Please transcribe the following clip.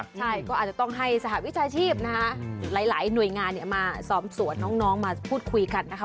ใช่ก็อาจจะต้องให้สหวิชาชีพนะคะหลายหน่วยงานมาสอบสวนน้องมาพูดคุยกันนะคะ